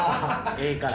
ええから。